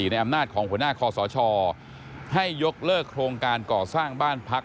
ในอำนาจของหัวหน้าคอสชให้ยกเลิกโครงการก่อสร้างบ้านพัก